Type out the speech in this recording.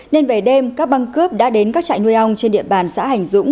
nên về đêm các băng cướp đã đến các trại nuôi ong trên địa bàn xã hành dũng